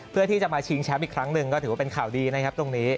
เพื่อที่จะมาชิงแชมป์อีกครั้งหนึ่งก็ถือว่าเป็นข่าวดีนะครับตรงนี้